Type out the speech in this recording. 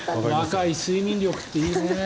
若い睡眠力っていいね。